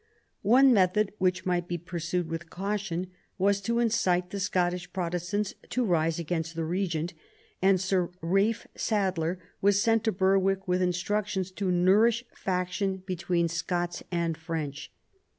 One method, which might be pursued with caution, was to incite the Scottish Protestants to rise against the Regent, and Sir Ralph Sadler was sent to Berwick with instruc tions to nourish faction between Scots and French